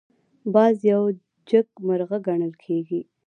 باز یو جګمرغه ګڼل کېږي